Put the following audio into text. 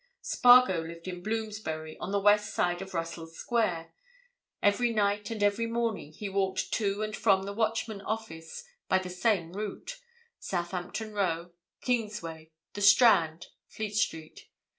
Spargo lived in Bloomsbury, on the west side of Russell Square. Every night and every morning he walked to and from the Watchman office by the same route—Southampton Row, Kingsway, the Strand, Fleet Street.